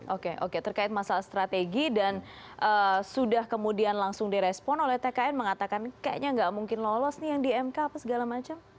oke oke terkait masalah strategi dan sudah kemudian langsung direspon oleh tkn mengatakan kayaknya nggak mungkin lolos nih yang di mk apa segala macam